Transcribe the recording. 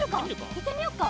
いってみよっか！